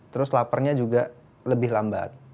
terus laparnya juga lebih lambat